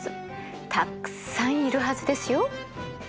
たくさんいるはずですよ。